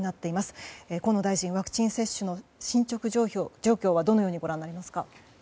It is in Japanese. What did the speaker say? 河野大臣、ワクチン接種の進捗状況はどのようにご覧になりますか？